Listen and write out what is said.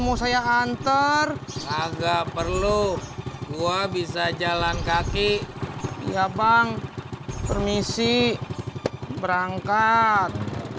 mau saya antar agak perlu gua bisa jalan kaki iya bang permisi berangkat